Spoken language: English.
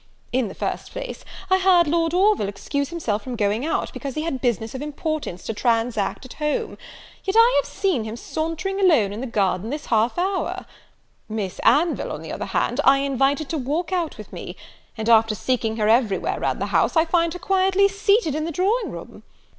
In the first place, I heard Lord Orville excuse himself from going out, because he had business of importance to transact at home; yet have I seen him sauntering alone in the garden this half hour. Miss Anville, on the other hand, I invited to walk out with me; and, after seeking her every where round the house, I find her quietly seated in the drawing room.